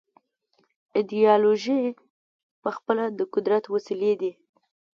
ایدیالوژۍ پخپله د قدرت وسیلې دي.